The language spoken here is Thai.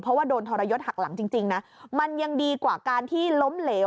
เพราะว่าโดนทรยศหักหลังจริงนะมันยังดีกว่าการที่ล้มเหลว